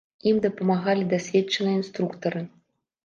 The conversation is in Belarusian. Ім дапамагалі дасведчаныя інструктары.